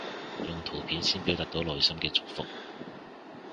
用圖片先表達到內心嘅祝福